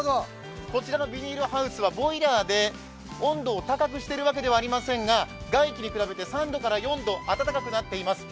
こちらのビニールハウスはボイラーで温めているわけではありませんが外気に比べて３度から４度暖かくなっています。